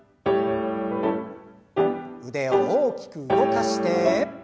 腕を大きく動かして。